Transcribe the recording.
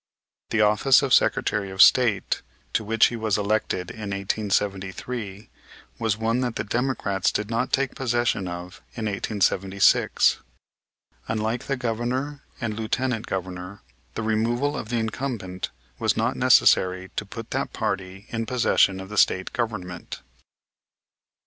The office of Secretary of State, to which he was elected in 1873, was one that the Democrats did not take possession of in 1876. Unlike the Governor and Lieutenant Governor, the removal of the incumbent was not necessary to put that party in possession of the State Government.